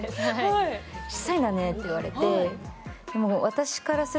ちっさいんだねって言われて。